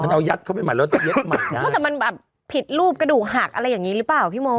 เอายัดเข้าไปใหม่แล้วเย็บใหม่นะแต่มันแบบผิดรูปกระดูกหักอะไรอย่างงี้หรือเปล่าพี่โม